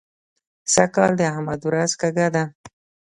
سږ کال د احمد ورځ کږه ده.